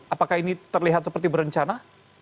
apakah ini terlihat seperti berencana